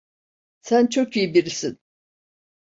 Sen çok iyi birisin.